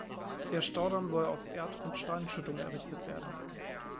Der Staudamm soll aus Erd- und Steinschüttung errichtet werden.